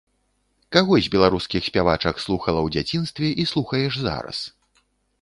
Каго з беларускіх спявачак слухала ў дзяцінстве і слухаеш зараз?